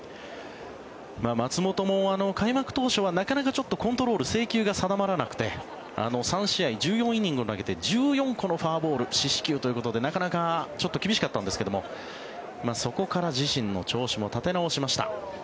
松本も開幕投手はなかなかコントロール制球が定まらなくて３試合、１４イニングを投げて１４個のフォアボール４四球ということでなかなか厳しかったんですがそこから自身の調子も立て直しました。